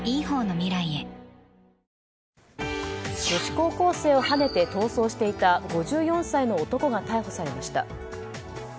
女子高校生をはねて逃走していた５４歳の男が逮捕されました。